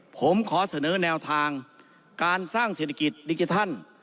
ผมขอเสนอแนวทางการสร้างเศรษฐกิจดิจิทัล